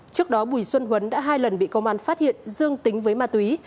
trước đó bùi xuân huấn đã hai lần bị công an phát hiện dương tính với ma túy